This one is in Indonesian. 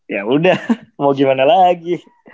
ya udah mau gimana lagi